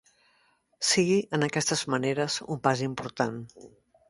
Sigui en aquestes maneres un pas important.